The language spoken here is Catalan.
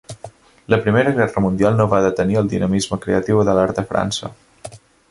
La Primera Guerra Mundial no va detenir el dinamisme creatiu de l'art a França.